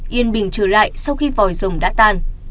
yên bình trở lại sau khi vòi dùng đã tan